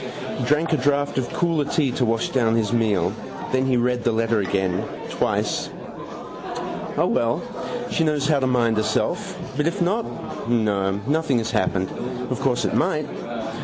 He drank a draught of cooler tea to wash down his meal. Then he read the letter again: twice. O, well: she knows how to mind herself. But if not? No, nothing has happened. Of course it might.